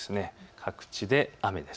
各地で雨です。